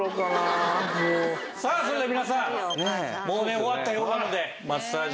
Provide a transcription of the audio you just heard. さあそれでは皆さんもうね終わったようなのでマッサージ。